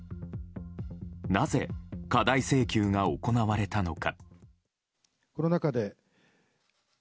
なぜ、過大請求が行われたのか。